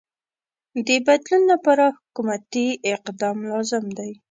د بدلون لپاره حکومتی اقدام لازم دی.